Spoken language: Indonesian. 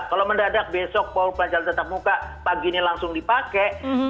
kalau mendadak besok pembelajaran tatap muka pagi ini langsung dipakai